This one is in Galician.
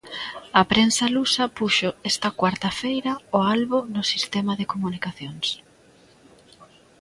A prensa lusa puxo esta cuarta feira o albo no sistema de comunicacións.